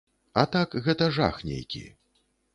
А так гэта жах нейкі.